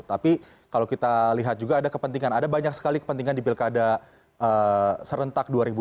tapi kalau kita lihat juga ada kepentingan ada banyak sekali kepentingan di pilkada serentak dua ribu dua puluh